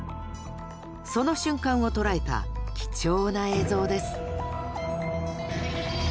その瞬間を捉えた貴重な映像です